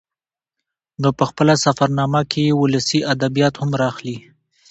نو په خپله سفر نامه کې يې ولسي ادبيات هم راخلي